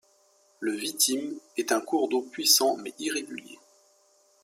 Le Vitim est un cours d'eau puissant mais irrégulier.